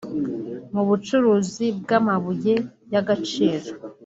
mu bucukuzi bw’amabuye y’agaciro